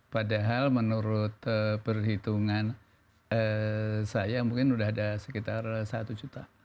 padahal menurut perhitungan saya mungkin sudah ada sekitar satu juta